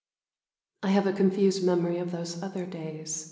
I have a confused memory of those other days.